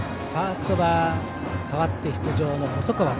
ファーストは代わって出場の細川。